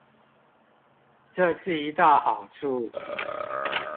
這是一大好處